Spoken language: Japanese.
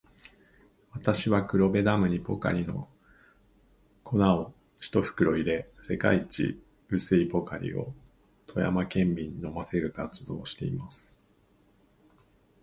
私は、黒部ダムにポカリの粉を一袋入れ、世界一薄いポカリを富山県民に飲ませる活動をしています。